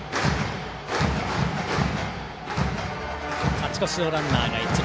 勝ち越しのランナーが一塁。